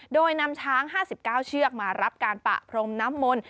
โดยนำช้าง๕๙เชือกมารับการปะพรมน้ำมนต์